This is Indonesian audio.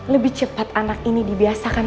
lebih cepat anak ini dibiasakan